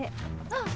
あっ。